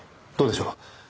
どうでしょう？